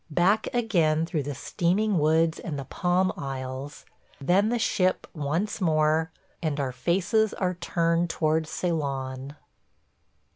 ... Back again through the steaming woods and the palm aisles; then the ship once more, and our faces are turned towards Ceylon.